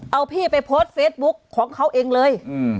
เอาพี่ไปโพสต์เฟซบุ๊คของเขาเองเลย